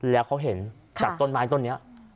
แล้วเขาเห็นจากต้นไม้ต้นนี้